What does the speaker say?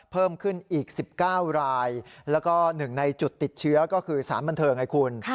เพิ่มขึ้นอีก๑๙รายแล้วก็๑ในจุดติดเชื้อก็คือสารบันเทิงไงคุณ